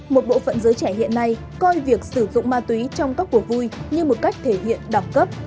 một bộ phận giới trẻ hiện nay coi việc sử dụng ma túy trong các cuộc vui như một cách thể hiện đẳng cấp